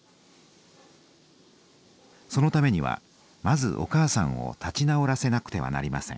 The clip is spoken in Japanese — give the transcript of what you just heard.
そのためにはまずお母さんを立ち直らせなくてはなりません。